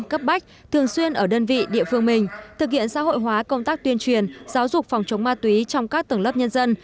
cấp bách thường xuyên ở đơn vị địa phương mình thực hiện xã hội hóa công tác tuyên truyền giáo dục phòng chống ma túy trong các tầng lớp nhân dân